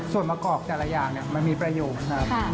ส่วนประกอบแต่ละอย่างมันมีประโยชน์ครับ